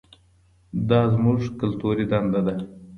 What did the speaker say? دا زموږ کلتوري دنده ده.